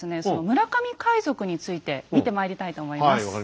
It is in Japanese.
その村上海賊について見てまいりたいと思います。